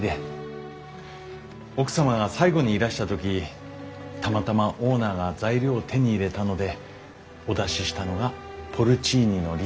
奥様が最後にいらした時たまたまオーナーが材料を手に入れたのでお出ししたのがポルチーニのリゾット。